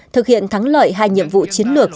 thực hiện thắng lợi hai nhiệm vụ chiến lược